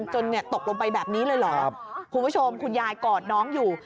ตกลงไปแบบนี้เลยเหรอคุณผู้ชมคุณยายกอดน้องอยู่